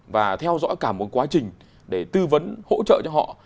và theo dõi cả một quá trình để tư vấn hỗ trợ cho họ